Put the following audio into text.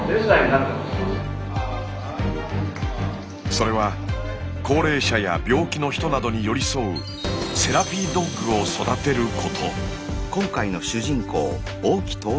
それは高齢者や病気の人などに寄り添う「セラピードッグ」を育てること。